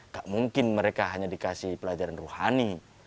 gak mungkin mereka hanya dikasih pelajaran rohani